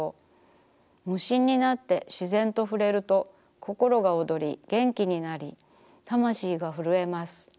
無心になって自然と触れるとこころが躍り元気になり魂がふるえます。